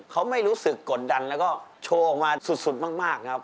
เขาไม่รู้สึกกดดันแล้วก็โชว์ออกมาสุดมากนะครับ